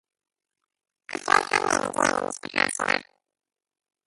אף לא אחד מהם הגיע ממשפחה עשירה